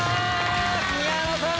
宮野さん